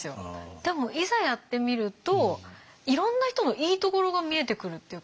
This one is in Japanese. でもいざやってみるといろんな人のいいところが見えてくるっていうか